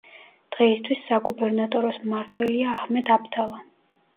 დღეისთვის საგუბერნატოროს მმართველია აჰმედ აბდალა.